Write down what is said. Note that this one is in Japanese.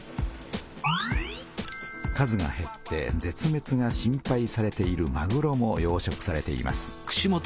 数がへって絶滅が心配されているまぐろも養殖されています。